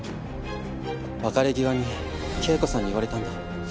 別れ際に圭子さんに言われたんだ。